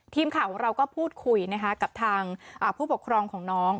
ทีมข่าวของเราก็พูดคุยกับทางผู้ปกครองของน้อง